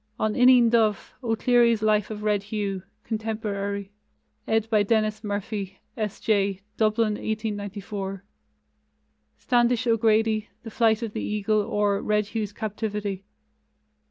On Ineen Dubh: O'Clery's Life of Red Hugh (contemporary), ed. by Denis Murphy, S. J. (Dublin, 1894); Standish O'Grady, The Flight of the Eagle, or Red Hugh's Captivity.